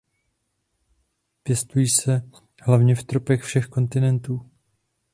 Pěstují se hlavně v tropech všech kontinentů.